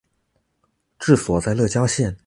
治所在乐郊县。